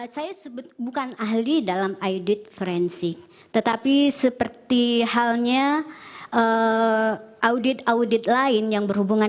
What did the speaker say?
hai saya bukan ahli dalam audit forensik tetapi seperti halnya audit audit lain yang berhubungan